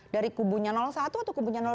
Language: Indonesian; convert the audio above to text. dari kubunya satu atau kubunya